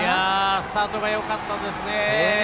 スタートがよかったですね。